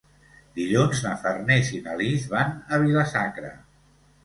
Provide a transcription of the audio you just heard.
Dilluns na Farners i na Lis van a Vila-sacra.